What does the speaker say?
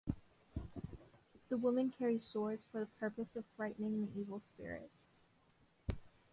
The women carry swords for the purpose of frightening the evil spirits.